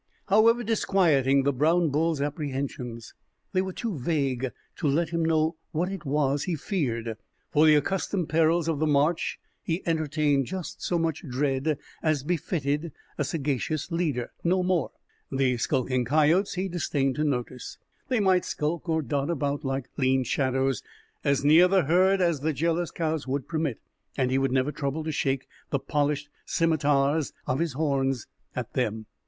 However disquieting the brown bull's apprehensions, they were too vague to let him know what it was he feared. For the accustomed perils of the march he entertained just so much dread as befitted a sagacious leader no more. The skulking coyotes he disdained to notice. They might skulk or dart about like lean shadows, as near the herd as the jealous cows would permit, and he would never trouble to shake the polished scimitars of his horns at them.